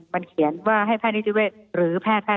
มันเขียนว่าให้แพทย์นิติเวศหรือแพทยแพทย